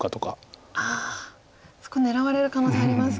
ああそこ狙われる可能性ありますか。